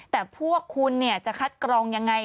แต่พวกคุณจะคัดกรองยังไง